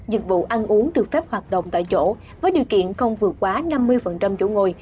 dịch vụ ăn uống được phép hoạt động tại chỗ với điều kiện không vượt quá năm mươi chỗ ngồi